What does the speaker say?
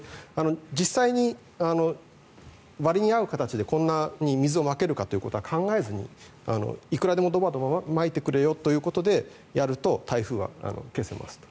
実際に割に合う形で、こんなに水をまけるかということは考えずにいくらでもドバドバまいてくれよということでやると台風は消せますと。